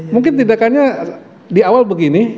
mungkin tidak hanya di awal begini